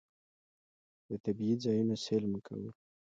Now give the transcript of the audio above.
د طبعي ځایونو سیل مو کاوه.